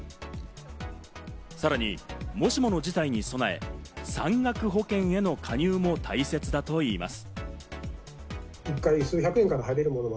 さらにもしもの事態に備え、山岳保険への加入も大切だといいます。